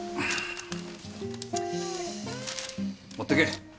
持ってけ。